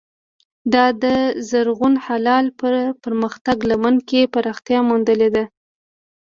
دا د زرغون هلال په پراخه لمن کې پراختیا موندلې ده.